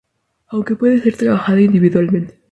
Aunque puede ser trabajada individualmente.